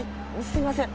すいません！